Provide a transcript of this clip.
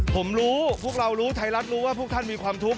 ผมรู้พวกเรารู้ไทยรัฐรู้ว่าพวกท่านมีความทุกข์